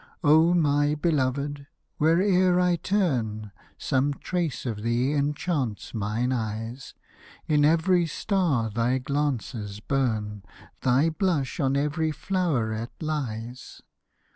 O, my beloved ! where'er I turn, Some trace of thee enchants mine eyes ; In every star thy glances burn ; Thy blush on every floweret lies.